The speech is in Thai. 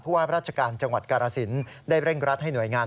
ว่าราชการจังหวัดกาลสินได้เร่งรัดให้หน่วยงาน